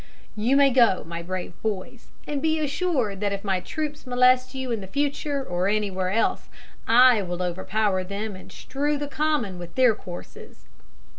"You may go, my brave boys; and be assured that if my troops molest you in the future, or anywhere else, I will overpower them and strew the Common with their corses.